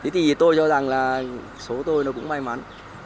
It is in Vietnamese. thì tôi cho rằng là số tôi nó cũng may mắn